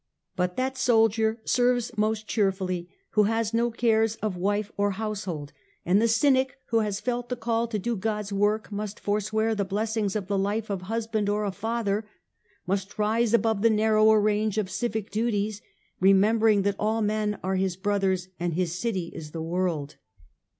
But that soldier serves most cheerfully who has no cares of wife or household, and the Cynic who has felt the call to do God^s work must forswear the blessings of the life of husband or of father, must rise above the narrower range of civic duties, remembering that all men are his brothers and his city is the world.